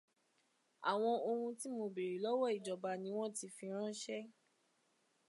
Àwọn oun tí mo bèèrè lọ́wọ́ ìjọba ni wọ́n ti fi ránṣẹ́